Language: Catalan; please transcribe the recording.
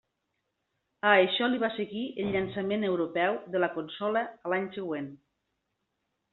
A això li va seguir el llançament europeu de la consola a l'any següent.